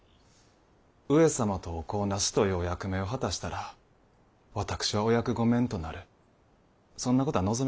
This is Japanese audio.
上様とお子をなすというお役目を果たしたら私はお役御免となるそんなことは望めるか。